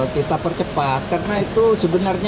kita percepat karena itu sebenarnya